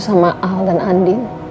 sama al dan andi